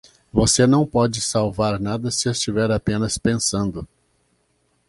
Você não pode salvar nada se estiver apenas pensando.